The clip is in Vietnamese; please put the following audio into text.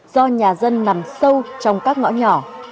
do nhà dân nằm sâu trong các ngõ nhỏ